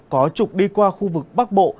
có trục đi qua khu vực bắc bộ